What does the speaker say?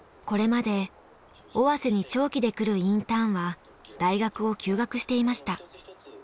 これまで尾鷲に長期で来るインターンは大学を休学していました。